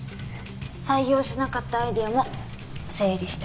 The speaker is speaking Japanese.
採用しなかったアイデアも整理して残してます。